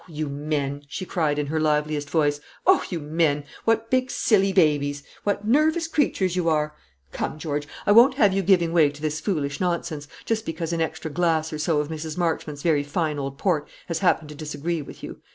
"Oh, you men!" she cried, in her liveliest voice; "oh, you men! What big silly babies, what nervous creatures you are! Come, George, I won't have you giving way to this foolish nonsense, just because an extra glass or so of Mrs. Marchmont's very fine old port has happened to disagree with you.